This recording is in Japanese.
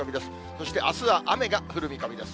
そしてあすは雨が降る見込みです。